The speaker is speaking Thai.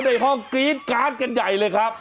ในห้องกรี๊ดการ์ดกันใหญ่เลยครับ